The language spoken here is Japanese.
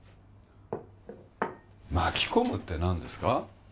巻き込むって何ですか？